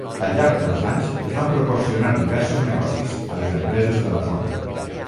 Al llarg dels anys es van proporcionar diversos negocis a les empreses de la zona.